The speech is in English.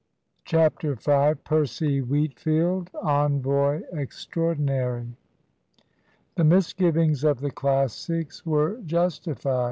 CHAPTER FIVE. PERCY WHEATFIELD, ENVOY EXTRAORDINARY. The misgivings of the Classics were justified.